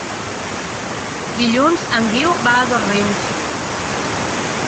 Dilluns en Guiu va a Dosrius.